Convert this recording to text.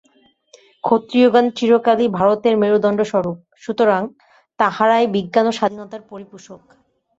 ক্ষত্রিয়গণ চিরকালই ভারতের মেরুদণ্ডস্বরূপ, সুতরাং তাঁহারাই বিজ্ঞান ও স্বাধীনতার পরিপোষক।